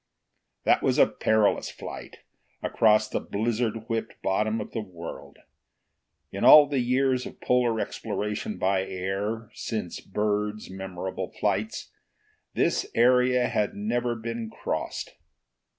That was a perilous flight, across the blizzard whipped bottom of the world. In all the years of polar exploration by air, since Byrd's memorable flights, this area had never been crossed.